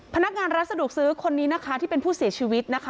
พนักงานร้านสะดวกซื้อคนนี้นะคะที่เป็นผู้เสียชีวิตนะคะ